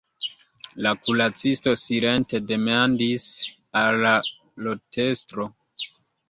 La kuracisto silente demandis al la rotestro.